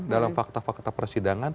dalam fakta fakta persidangan